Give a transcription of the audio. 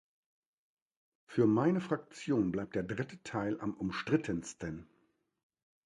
Für meine Fraktion bleibt der dritte Teil am umstrittensten.